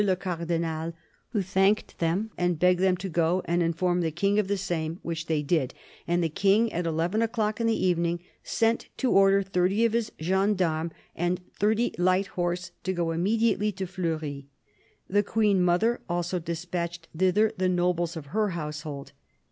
le Cardinal, who thanked them, and begged them to go and inform the King of the same : which they did ; and the King, at eleven o'clock in the evening, sent to order thirty of his gendarmes and thirty light horse to go immediately to Fleury. The Queen mother also dispatched thither the nobles of her household.